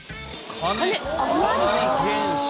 金あまり現象。